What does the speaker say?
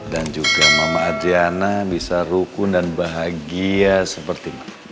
dan juga mama adriana bisa rukun dan bahagia seperti mama